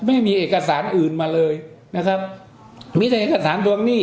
ไม่มีเอกสารอื่นมาเลยนะครับมีแต่เอกสารทวงหนี้